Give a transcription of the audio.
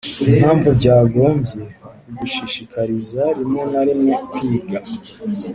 impamvu byagombye kugushishikariza rimwe na rimwe kwiga